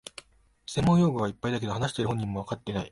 専門用語がいっぱいだけど、話してる本人もわかってない